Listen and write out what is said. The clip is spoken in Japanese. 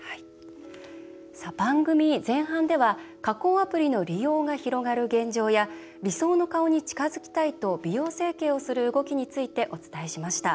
番組前半では加工アプリの利用が広がる現状や理想の顔に近づきたいと美容整形する動きについてお伝えしました。